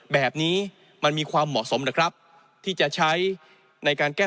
แบบนี้มันมีความเหมาะสมหรือครับที่จะใช้ในการแก้